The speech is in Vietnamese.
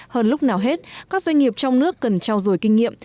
hơn lúc nào hết các doanh nghiệp trong nước cần trao dồi kinh nghiệm